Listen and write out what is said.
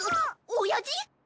おやじ？